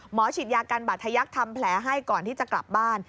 ฉีดยากันบาดทะยักษ์ทำแผลให้ก่อนที่จะกลับบ้าน